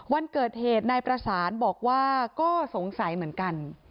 วันเกิดเหตุนายประสานบอกว่าก็สงสัยเหมือนกัน